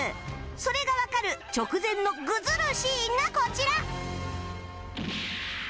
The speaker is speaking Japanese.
それがわかる直前のグズるシーンがこちら